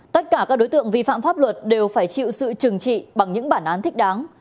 tất cả các đối tượng vi phạm pháp luật đều phải chịu sự trừng trị bằng những bản án thích đáng